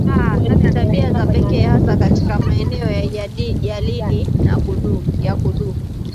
tabia za pekee hasa katika maeneo ya jalidi ya kudumu